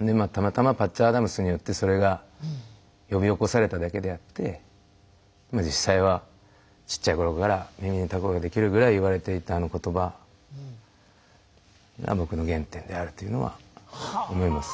でたまたま「パッチ・アダムス」によってそれが呼び起こされただけであって実際はちっちゃいころから耳にたこができるぐらい言われていたあの言葉が僕の原点であるというのは思います。